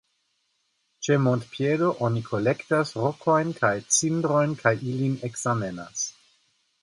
Ĉe montpiedo oni kolektas rokojn kaj cindrojn kaj ilin ekzamenas.